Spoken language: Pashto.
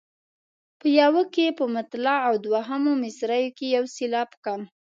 په یوه کې په مطلع او دوهمو مصرعو کې یو سېلاب کم.